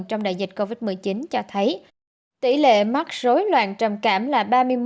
trong đại dịch covid một mươi chín cho thấy tỷ lệ mắc rối loạn trầm cảm là ba mươi một chín